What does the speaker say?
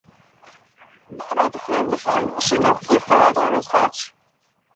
They were to form the foundation of his later research.